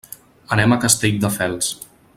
Anem a Castelldefels.